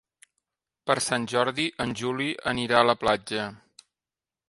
Per Sant Jordi en Juli anirà a la platja.